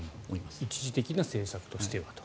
一時的な政策としてはと。